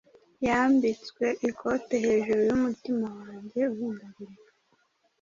yambitswe ikote hejuru yumutima wanjye uhindagurika